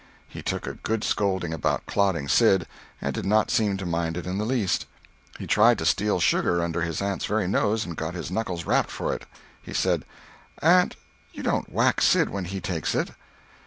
He took a good scolding about clodding Sid, and did not seem to mind it in the least. He tried to steal sugar under his aunt's very nose, and got his knuckles rapped for it. He said: "Aunt, you don't whack Sid when he takes it."